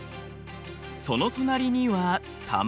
その隣には卵。